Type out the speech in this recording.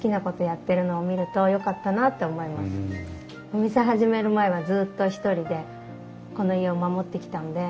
お店始める前はずっと一人でこの家を守ってきたので。